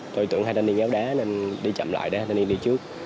tôi tưởng hai thanh niên ngáo đá nên đi chậm lại để hai thanh niên đi trước